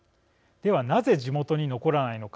では、なぜ地元に残らないのか。